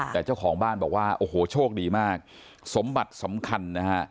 แต่เจ้าของบ้านบอกว่าโอ้โหโชคดีมากสมบัติสำคัญนะฮะ